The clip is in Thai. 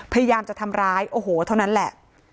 พยายามจะทำร้ายโอ้โหเท่านั้นแหละ